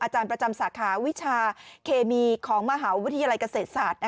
อาจารย์ประจำสาขาวิชาเคมีของมหาวิทยาลัยเกษตรศาสตร์